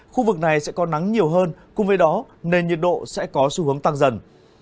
khu vực này sẽ có nắng nhiều hơn cùng với đó nền nhiệt độ sẽ có xu hướng tăng dần